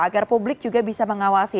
agar publik juga bisa mengawasi